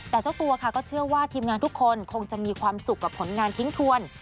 แต่เจ้าตัวค่ะก็เชื่อว่าทีมงานทุกคนคงจะมีความสุขกับผลงานทิ้งทวน